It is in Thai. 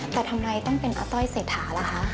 แต่ทำไมต้องเป็นอาต้อยเศรษฐาล่ะคะ